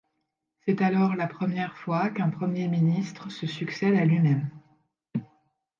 C'est alors la première fois qu'un Premier ministre se succède à lui-même.